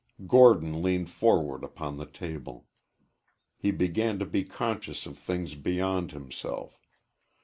Gordon leaned forward upon the table. He began to be conscious of things beyond himself.